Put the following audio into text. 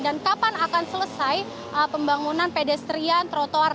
dan kapan akan selesai pembangunan pedestrian trotoar